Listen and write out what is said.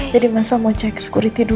jadi mas al mau cek security dulu